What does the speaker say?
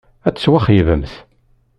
Ad tettwaxeyybemt.